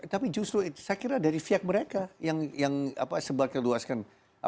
tapi justru saya kira dari pihak mereka yang sebar keluaskan